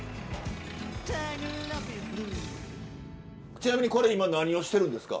ちなみにこれ今何をしてるんですか？